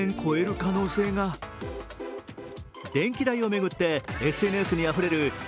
電気代を巡ってＳＮＳにあふれる＃